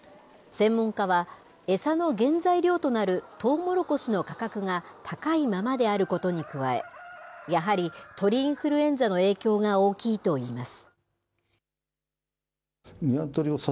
専門家は、餌の原材料となるとうもろこしの価格が高いままであることに加え、やはり鳥インフルエンザの影響が大きいといいます。